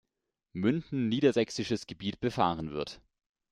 Münden niedersächsisches Gebiet befahren wird.